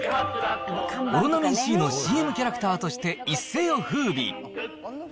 オロナミンＣのＣＭキャラクターとして一世をふうび。